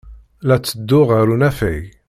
La ttedduɣ ɣer unafag.